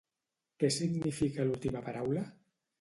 Què significa l'última paraula?